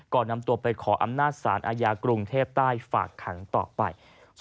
นำตัวไปขออำนาจศาลอาญากรุงเทพใต้ฝากขังต่อไป